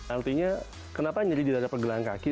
artinya kenapa nyeri di daerah pergelangan kaki